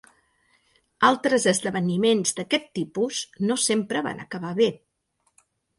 Altres esdeveniments d'aquest tipus no sempre van acabar bé.